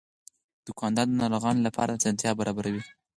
دوکاندار د ناروغانو لپاره اسانتیا برابروي.